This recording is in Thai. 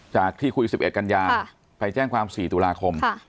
ที่คุย๑๑กันยาไปแจ้งความ๔ตุลาคม